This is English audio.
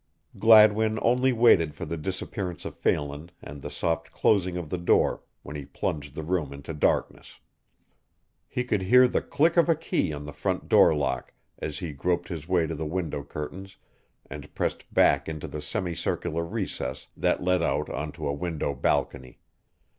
Gladwin only waited for the disappearance of Phelan and the soft closing of the door when he plunged the room into darkness. He could hear the click of a key in the front door lock as he groped his way to the window curtains and pressed back into the semi circular recess that led out onto a window balcony.